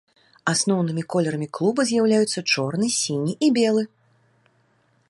Асноўнымі колерамі клуба з'яўляюцца чорны, сіні і белы.